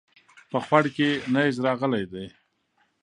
په خوړ کې نيز راغلی دی